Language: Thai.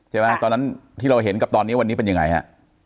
ตอนนั้นที่เราเห็นกับตอนนี้วันนี้เป็นยังไงฮะ